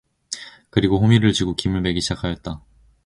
그리고 호미를 쥐고 김을 매기 시작하였다.